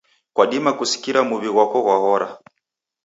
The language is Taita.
Kwadima kusikira muw'i ghwako ghwahora.